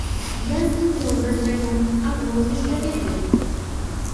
Я з ім добра знаёмы, а прозвішча не ведаю.